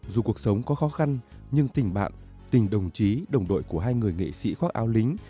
dù cuộc sống có khó khăn nhưng tình bạn tình đồng chí đồng đội của hai người nghệ sĩ khoác ao lính